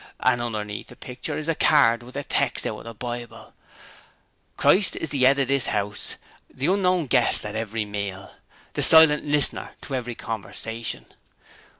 And underneath the picture is a card with a tex out of the Bible "Christ is the 'ead of this 'ouse: the unknown guest at every meal. The silent listener to every conversation."